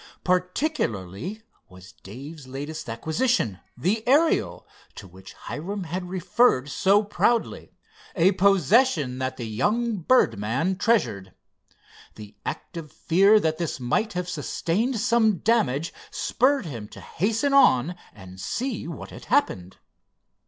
Particularly was Dave's latest acquisition, the Ariel, to which Hiram had referred so proudly, a possession that the young birdman treasured. The active fear that this might have sustained some damage spurred him to hasten on and see what had happened.